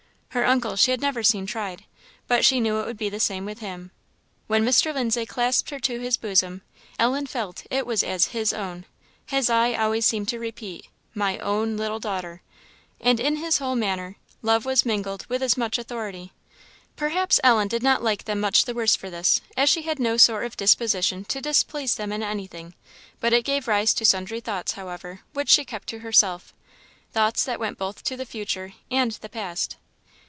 Her uncle she had never seen tried, but she knew it would be the same with him. When Mr. Lindsay clasped her to his bosom, Ellen felt it was as his own; his eye always seemed to repeat, "my own little daughter;" and in his whole manner, love was mingled with as much authority. Perhaps Ellen did not like them much the worse for this, as she had no sort of disposition to displease them in anything; but it gave rise to sundry thoughts, however, which she kept to herself thoughts that went both to the future and the past.